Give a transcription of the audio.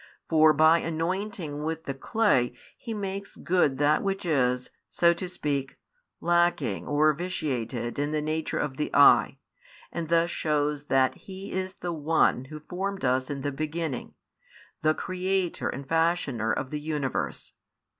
For by anointing with the clay He makes good that which is (so to speak) lacking or vitiated in the nature of the eye, and thus shews that He is the One Who formed us in the beginning, the Creator and Fashioner of the universe.